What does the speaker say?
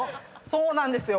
そうなんですよ。